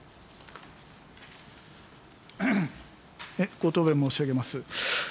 ご答弁申し上げます。